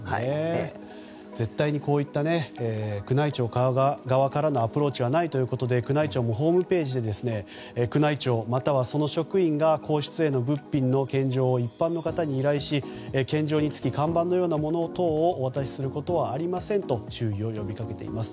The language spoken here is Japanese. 絶対にこういった宮内庁側からのアプローチはないということで宮内庁もホームページで宮内庁、またはその職員が皇室への物品の献上を一般の方に依頼し献上につき、看板のようなものをお渡しすることはありませんと注意を呼び掛けています。